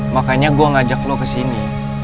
makanya gue ngajak lo ke sini